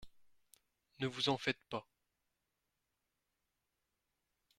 Ne vous en faites pas !